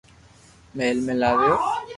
مھل ۾ لاويو